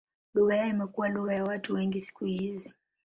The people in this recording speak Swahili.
Lugha yao imekuwa lugha ya watu wengi siku hizi.